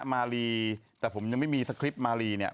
มาลีแต่ผมยังไม่มีสคริปต์มารีเนี่ย